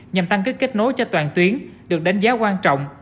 nhằm tăng kết nối cho toàn tuyến được đánh giá quan trọng